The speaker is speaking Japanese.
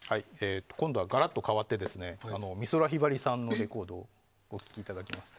今度はガラッと変わって美空ひばりさんのレコードをお聴きいただきます。